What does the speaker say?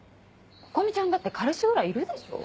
心美ちゃんだって彼氏ぐらいいるでしょ。